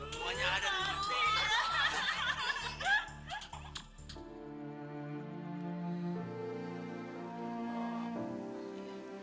semuanya ada di rumah